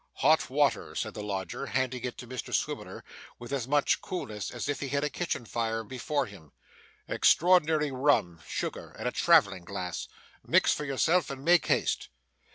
'Hot water ' said the lodger, handing it to Mr Swiveller with as much coolness as if he had a kitchen fire before him 'extraordinary rum sugar and a travelling glass. Mix for yourself. And make haste.